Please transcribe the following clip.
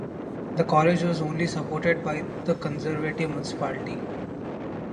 The college was only supported by the conservative municipality.